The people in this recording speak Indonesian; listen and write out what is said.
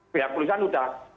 pihak kulisan sudah